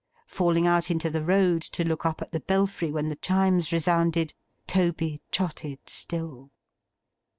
Falling out into the road to look up at the belfry when the Chimes resounded, Toby trotted still.